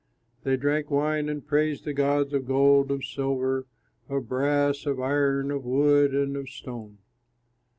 They drank wine and praised the gods of gold, of silver, of brass, of iron, of wood, and of stone.